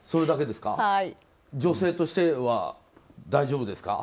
女性としては大丈夫ですか？